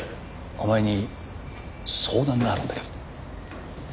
お前に相談があるんだけど。